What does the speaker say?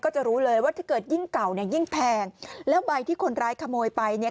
จะรู้เลยว่าถ้าเกิดยิ่งเก่าเนี่ยยิ่งแพงแล้วใบที่คนร้ายขโมยไปเนี่ย